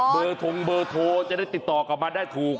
ทงเบอร์โทรจะได้ติดต่อกลับมาได้ถูก